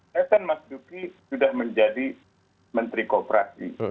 teten mas duki sudah menjadi menteri kooperasi